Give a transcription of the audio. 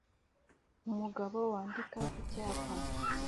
Umugabo wandika ku cyapa